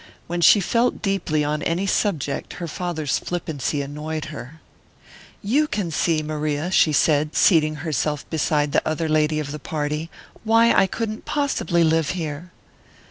When she felt deeply on any subject her father's flippancy annoyed her. "You can see, Maria," she said, seating herself beside the other lady of the party, "why I couldn't possibly live here."